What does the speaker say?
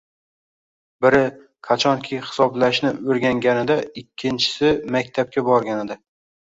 Biri, qachonki hisoblashni o‘rganganida, ikkinchisi, maktabga borganida.